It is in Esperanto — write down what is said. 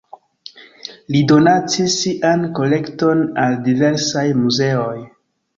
Li donacis sian kolekton al diversaj muzeoj.